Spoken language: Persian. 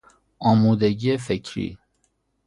آمودگی فکری